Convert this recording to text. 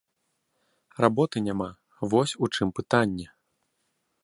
Работы няма, вось у чым пытанне.